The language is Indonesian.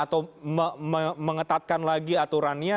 atau mengetatkan lagi aturannya